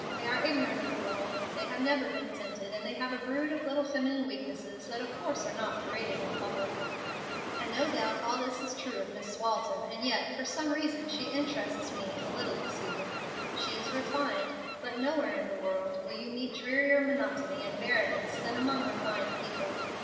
They are ignorant of the world; they have never been tempted, and they have a brood of little feminine weaknesses that of course are not paraded in public. "And no doubt all this is true of Miss Walton, and yet, for some reason, she interests me a little this evening. She is refined, but nowhere in the world will you meet drearier monotony and barrenness than among refined people.